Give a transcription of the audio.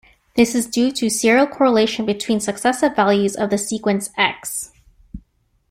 This is due to serial correlation between successive values of the sequence "X".